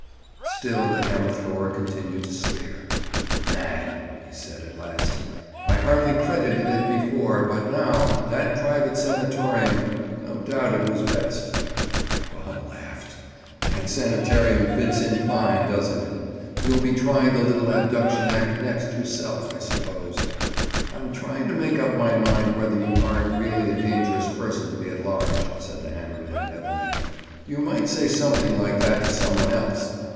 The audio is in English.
Still the hammer thrower continued to stare. "Mad!" he said at last. "I hardly credited it before, but now—That private sanatorium!—No doubt, it was best." Bob laughed. "That sanatorium fits in fine, doesn't it? You'll be trying the little abduction act next, yourself, I suppose." "I'm trying to make up my mind whether you aren't really a dangerous person to be at large," said the hammer man heavily. "You might say something like that to some one else.